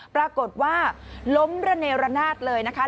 ปรากฏว่าล้มระเนรนาศเลยนะคะ